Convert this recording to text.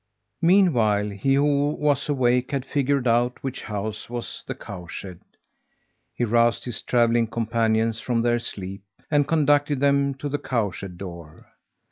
Meanwhile, he who was awake had figured out which house was the cowshed. He roused his travelling companions from their sleep, and conducted them to the cowshed door.